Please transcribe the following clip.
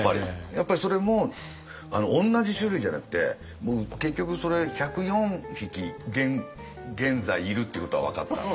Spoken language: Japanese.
やっぱりそれも同じ種類じゃなくて結局それ１０４匹現在いるっていうことが分かった。